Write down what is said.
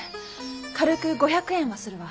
軽く５００円はするわ。